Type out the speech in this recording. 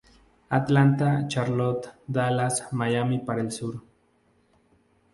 Atlanta, Charlotte, Dallas, Miami para el sur.